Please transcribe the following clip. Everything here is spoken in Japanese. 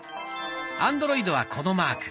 アンドロイドはこのマーク。